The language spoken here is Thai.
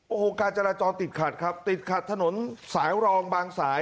โอ้โหการจราจรติดขัดครับติดขัดถนนสายรองบางสาย